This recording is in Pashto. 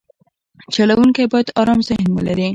چلوونکی باید ارام ذهن ولري.